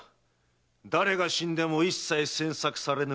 誰が死んでも一切詮索されぬわ。